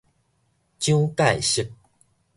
蔣介石